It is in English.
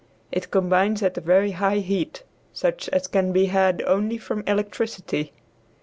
It combines at a very high heat, such as can be had only from electricity.